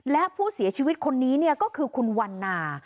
และผู้เสียชีวิตคนนี้ก็คือคุณวันนา